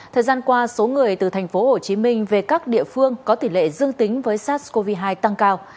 thời gian qua số người từ thành phố hồ chí minh về các địa phương có tỷ lệ dương tính với sars cov hai tăng cao